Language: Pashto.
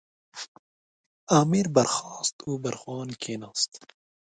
امیر برخاست او برخوان کېناست.